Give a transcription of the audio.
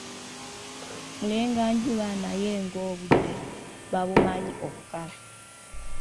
Mulenganjuba naye ng'obudde babumanyi okukala.